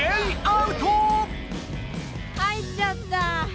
入っちゃった。